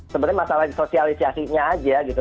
sebenarnya masalah sosialisasinya aja gitu